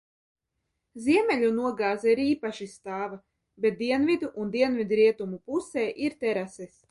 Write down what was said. Ziemeļu nogāze ir īpaši stāva, bet dienvidu un dienvidrietumu pusē ir terases.